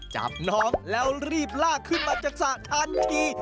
จับน้องแล้วรีบลากขึ้นมาจากสระทันที